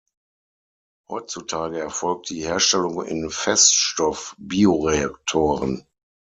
Heutzutage erfolgt die Herstellung in Feststoff-Bioreaktoren.